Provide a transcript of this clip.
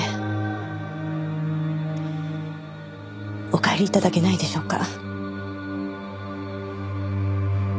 お帰り頂けないでしょうか。